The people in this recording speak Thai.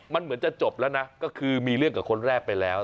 มันเหมือนจะจบแล้วนะก็คือมีเรื่องกับคนแรกไปแล้ว